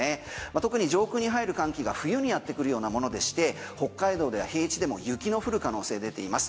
特に上空に入る寒気が冬にやってくるようなものでして北海道では平地でも雪の降る可能性出ています。